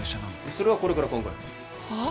それはこれから考えるはあ？